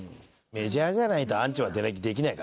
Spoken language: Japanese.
メジャーじゃないとアンチはできないからね。